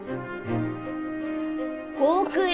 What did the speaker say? ５億円。